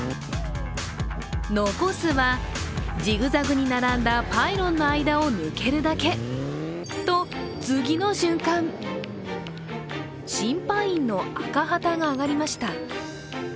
残すはジグザグに並んだパイロンの間を抜けるだけと、次の瞬間審判員の赤旗が上がりました。